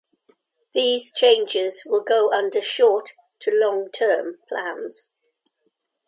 These changes will go under short to long term plans.